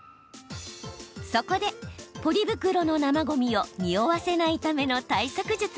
そこでポリ袋の生ごみをにおわせないための対策術。